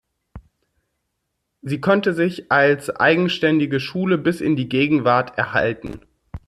Sie konnte sich als eigenständige Schule bis in die Gegenwart erhalten.